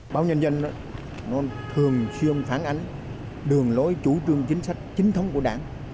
báo nhân dân nó thường xuyên phản ánh đường lối chủ trương chính sách chính thống của đảng